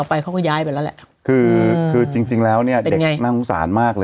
ไปเขาก็ย้ายไปแล้วแหละคือคือจริงจริงแล้วเนี้ยเด็กน่าสงสารมากเลย